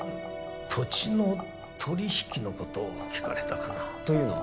土地の取引のことを聞かれたかなというのは？